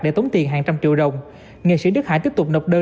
để tống tiền hàng trăm triệu đồng nghệ sĩ đức hải tiếp tục nộp đơn